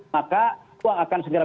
maka uang akan segera